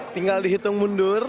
tinggal dihitung mundur